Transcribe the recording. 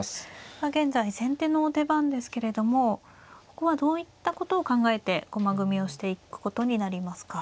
現在先手の手番ですけれどもここはどういったことを考えて駒組みをしていくことになりますか。